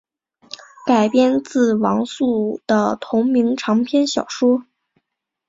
改编自王朔的同名长篇小说。